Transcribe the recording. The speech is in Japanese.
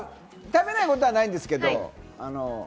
でもまぁ食べないことはないんですけど。